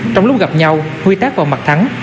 trong lúc gặp nhau huy tác vào mặt thắng